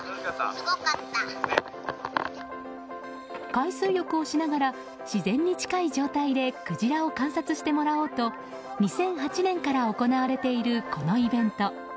海水浴をしながら自然に近い状態でクジラを観察してもらおうと２００８年から行われているこのイベント。